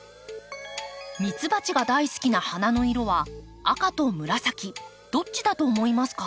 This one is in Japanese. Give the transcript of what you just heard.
ミツバチが大好きな花の色は赤と紫どっちだと思いますか？